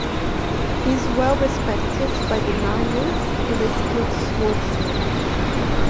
He is well respected by the Narnians, and a skilled swordsman.